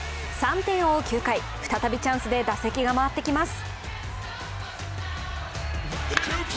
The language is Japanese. ３点を追う９回再びチャンスで打席が回ってきます。